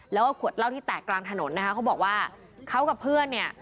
แล้วก็ขวดเหล้าที่แตกกลางถนนนะคะเขาบอกว่าเขากับเพื่อนเนี่ย